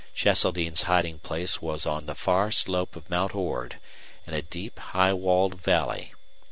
Cheseldine's hiding place was on the far slope of Mount Ord, in a deep, high walled valley.